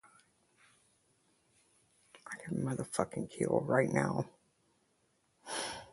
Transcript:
Franco soon rose to the rank of general.